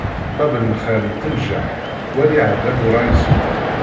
Bab n lxiṛ ittenjaḥ, wali ɛad aburaysu!